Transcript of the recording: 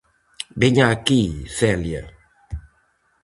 -Veña aquí, Celia!